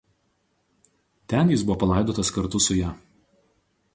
Ten jis buvo palaidotas kartu su ja.